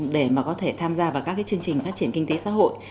để mà có thể tham gia vào các chương trình phát triển kinh tế xã hội